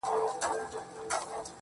زه نه كړم گيله اشــــــــــــنا.